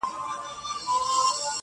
o د غراب او پنجرې یې سره څه,